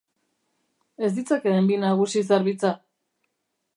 Ez ditzakeen bi nagusi zerbitza!